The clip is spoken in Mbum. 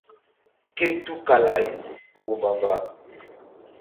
Ké tukala-ay kpúh mbamba.